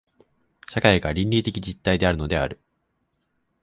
社会が倫理的実体であるのである。